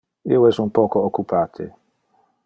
Io es un poco occupate.